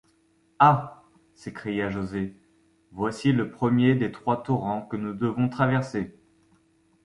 Ah! s’écria José, voici le premier des trois torrents que nous devons traverser !